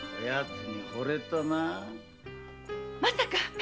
まさか！